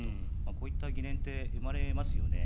こういった疑念って生まれますよね。